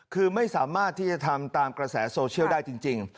คือไม่สามารถที่จะทำตามกระแสโซเชียลได้จริง